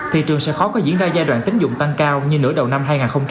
thị trường sẽ khó có diễn ra giai đoạn tính dụng tăng cao như nửa đầu năm hai nghìn hai mươi